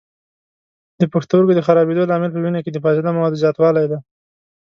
د پښتورګو د خرابېدلو لامل په وینه کې د فاضله موادو زیاتولی دی.